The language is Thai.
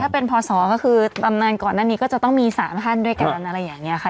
เป็นพศก็คือตำนานก่อนหน้านี้ก็จะต้องมี๓ท่านด้วยกันอะไรอย่างนี้ค่ะ